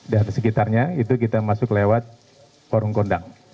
dan sekitarnya itu kita masuk lewat korung kondang